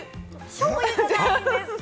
しょうゆじゃないです。